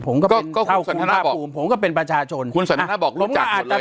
ผมก็เป็นผมก็เป็นประชาชนคุณสัญญาบอกรู้จักหมดเลย